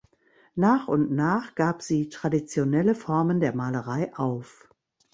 Nach und nach gab sie traditionelle Formen der Malerei auf.